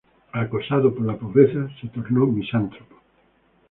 Acosado por la pobreza, se tornó misántropo.